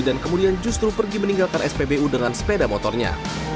dan kemudian justru pergi meninggalkan spbu dengan sepeda motornya